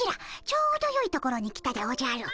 ちょうどよいところに来たでおじゃる。